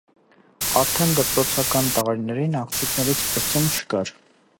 Արդեն դպրոցական տարիներին աղջիկներից պրծում չկար։